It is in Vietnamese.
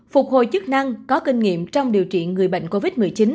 phục hồi chức năng có kinh nghiệm trong điều trị người bệnh covid một mươi chín